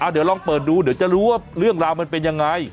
เดี๋ยวลองเปิดดูเดี๋ยวจะรู้ว่าเรื่องราวมันเป็นยังไง